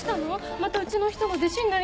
またうちの人の弟子になりに来たの？